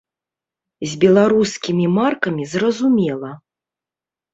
З беларускімі маркамі зразумела.